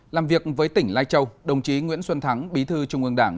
làm việc với tỉnh lai châu đồng chí nguyễn xuân thắng bí thư trung ương đảng